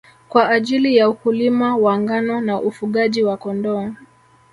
kwa ajili ya ukulima wa ngano na ufugaji wa Kondoo